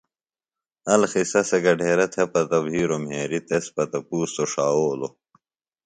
القصہ سےۡ گھڈیرہ تھےۡ پتہ بھیروۡ مھیریۡ تس پتہ پُوستوۡ ݜاوولوۡ